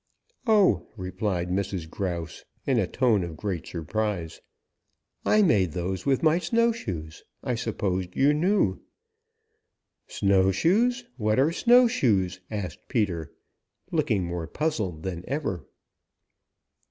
"Oh," replied Mrs. Grouse in a tone of great surprise. "I made those with my snowshoes. I supposed you knew." "Snowshoes! What are snow shoes?" asked Peter, looking more puzzled than ever.